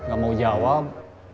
gak mau jawab